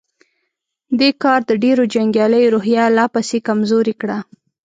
دې کار د ډېرو جنګياليو روحيه لا پسې کمزورې کړه.